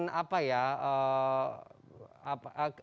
menimbulkan apa ya